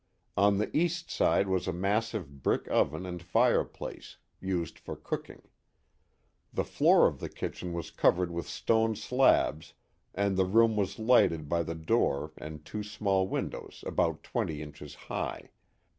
On the east side was a massive brick oven and fireplace, used for cooking. The floor of the kitchen was covered with stone slabs and the room was lighted by the dopr and two small windows about twenty inches high.